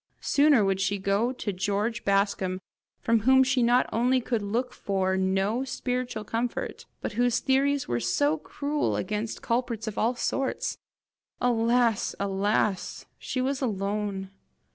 Sooner would she go to George Bascombe from whom she not only could look for no spiritual comfort, but whose theories were so cruel against culprits of all sorts! Alas, alas! she was alone!